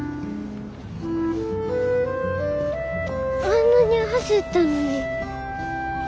あんなに走ったのに。